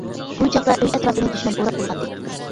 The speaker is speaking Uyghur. بۇ چاغدا ئۆي ئەتراپىنى دۈشمەن ئوراپ بولغانىدى.